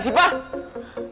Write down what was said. kau pun bahagilah